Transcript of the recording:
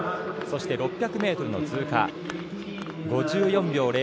そして６００ｍの通過、５４秒００